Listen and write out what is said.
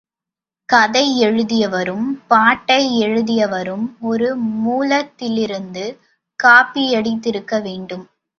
கதையை எழுதியவரும், பாட்டை எழுதியவரும் ஒரு மூலத்திலிருந்து காப்பியடித்திருக்க வேண்டும்.